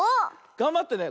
がんばってね。